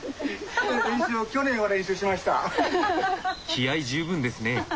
気合い十分ですね。